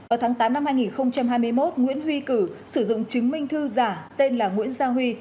vào tháng tám năm hai nghìn hai mươi một nguyễn huy cử sử dụng chứng minh thư giả tên là nguyễn gia huy